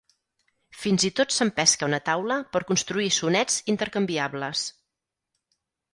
Fins i tot s'empesca una taula per construir sonets intercanviables.